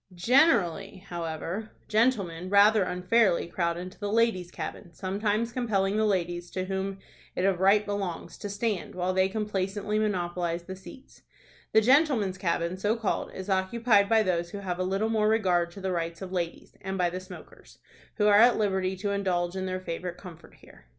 Generally, however, gentlemen rather unfairly crowd into the ladies' cabin, sometimes compelling the ladies, to whom it of right belongs, to stand, while they complacently monopolize the seats. The gentlemen's cabin, so called, is occupied by those who have a little more regard to the rights of ladies, and by the smokers, who are at liberty to indulge in their favorite comfort here.